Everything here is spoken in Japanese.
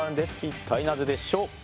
一体なぜでしょう。